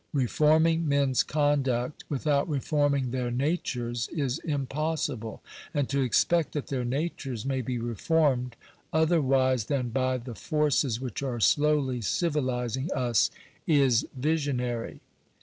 Reforming mens conduct without reforming their na tures is impossible ; and to expect that their natures may be re formed, otherwise than by the forces which are slowly civilizing us, is visionary.